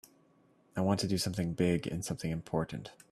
I want to do something big and something important.